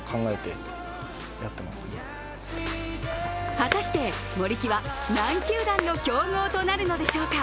果たして森木は何球団の競合となるのでしょうか。